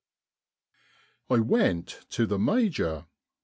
I went to the Major.